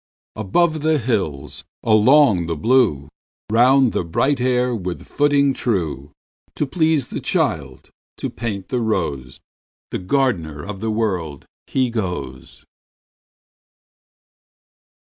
Above the hills, along the blue, Round the bright air with footing true, To please the child, to paint the rose, The gardener of the World, he goes.